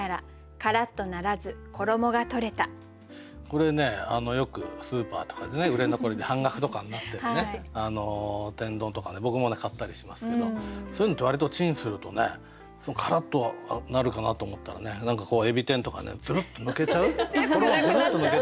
これねよくスーパーとかで売れ残りで半額とかになってる天丼とか僕も買ったりしますけどそういうのって割とチンするとねカラッとなるかなと思ったらね何かエビ天とかねズルッと抜けちゃう。全部無くなっちゃう。